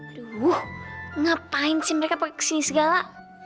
aduh ngapain sih mereka pakai kesini segala